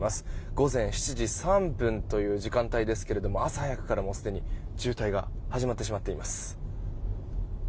午前７時３分という時間帯ですが朝早くから、すでに渋滞が始まってしまっています。